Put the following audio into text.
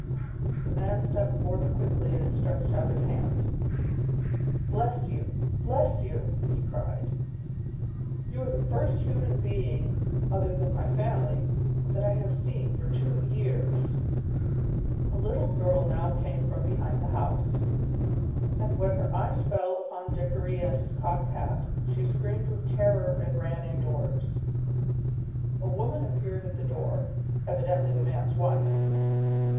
The man stepped forth quickly and stretched out his hand. "Bless you! Bless you!" he cried. "You are the first human being, other than my family, that I have seen for two years." A little girl now came from behind the house, and when her eyes fell upon Dickory and his cocked hat she screamed with terror and ran indoors. A woman appeared at the door, evidently the man's wife.